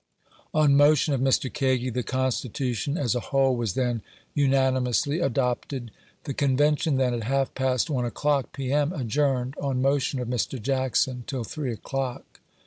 On motion of Mr. Kagi, the Constitution, as & whole, vas then unani mously adopted. The. Convention then, at half past one o'clock, P. M., adjourned, on motion of Mr. Jackson, till three o'clock.